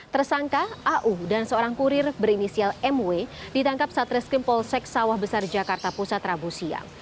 tersangka au dan seorang kurir berinisial mw ditangkap saat reskrim polsek sawah besar jakarta pusat rabu siang